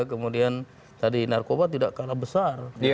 kemudian tadi narkoba tidak kalah besar